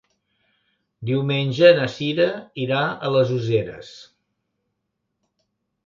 Diumenge na Cira irà a les Useres.